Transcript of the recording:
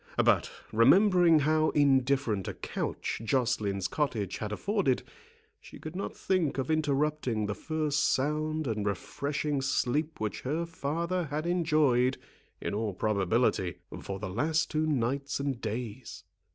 But, remembering how indifferent a couch Joceline's cottage had afforded, she could not think of interrupting the first sound and refreshing sleep which her father had enjoyed, in all probability, for the last two nights and days.